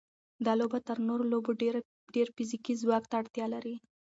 دا لوبه تر نورو لوبو ډېر فزیکي ځواک ته اړتیا لري.